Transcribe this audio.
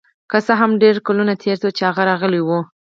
که څه هم ډیر کلونه تیر شوي چې هغه راغلی و